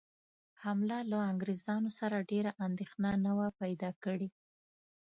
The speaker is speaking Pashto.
حمله له انګرېزانو سره ډېره اندېښنه نه وه پیدا کړې.